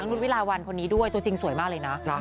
นุษย์วิลาวันคนนี้ด้วยตัวจริงสวยมากเลยนะ